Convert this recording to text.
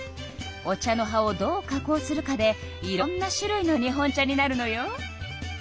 お茶の葉をどう加工するかでいろんな種類の日本茶になるのよ。